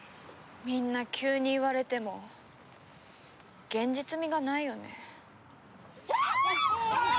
みんな急に言われても現実味がないよね。